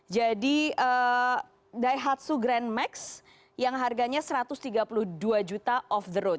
daihatsu grand max yang harganya satu ratus tiga puluh dua juta off the road